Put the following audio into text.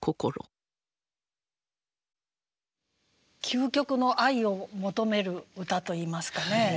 究極の愛を求める歌といいますかね。